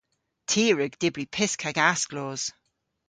Ty a wrug dybri pysk hag asklos.